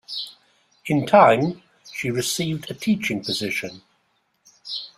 In time, she received a teaching position.